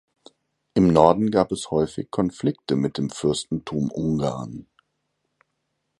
Im Norden gab es häufig Konflikte mit dem Fürstentum Ungarn.